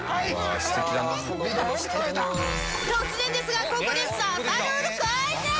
突然ですがここで